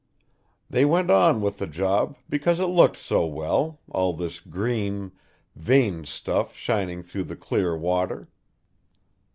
They went on with the job because it looked so well, all this green, veined stuff shining through the clear water.